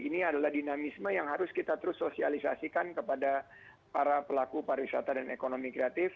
ini adalah dinamisme yang harus kita terus sosialisasikan kepada para pelaku pariwisata dan ekonomi kreatif